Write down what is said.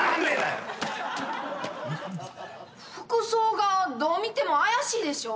⁉服装がどう見ても怪しいでしょ。